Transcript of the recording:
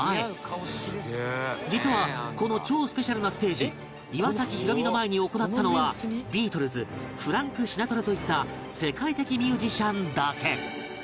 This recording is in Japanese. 実はこの超スペシャルなステージ岩崎宏美の前に行ったのはビートルズフランク・シナトラといった世界的ミュージシャンだけ